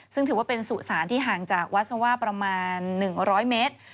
ซึ่งถือว่าเป็นสุสานที่ห่างจากวัดสว่าประมาณ๑๐๐เมตร